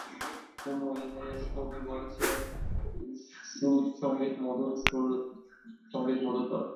কুমু, ইংরেজ কবি বলেছে, শ্রুত সংগীত মধুর, অশ্রুত সংগীত মধুরতর।